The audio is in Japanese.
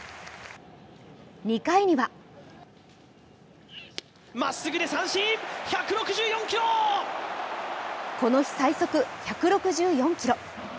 ２回にはこの日最速１６４キロ。